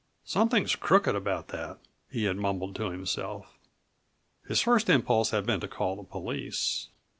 "Something crooked about that," he had mumbled to himself. His first impulse had been to call the police.